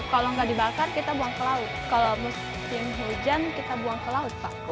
kalau nggak dibakar kita buang ke laut kalau musim hujan kita buang ke laut pak